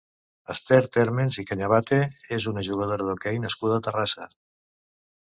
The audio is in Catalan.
Esther Térmens i Cañabate és una jugadora d'hoquei nascuda a Terrassa.